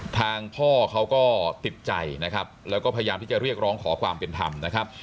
ทางพ่อเขาก็ติดใจนะครับแล้วก็พยายามที่จะเรียกร้องขอความเป็นธรรมนะครับ